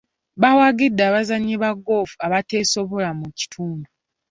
Baawagidde abazannyi ba goofu abateesobola mu kitundu.